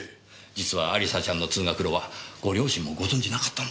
実は亜里沙ちゃんの通学路はご両親もご存じなかったんですよ。